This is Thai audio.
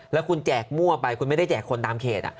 แล้วคุณแจกมั่วไปคุณไม่ได้แจกคนตามเขต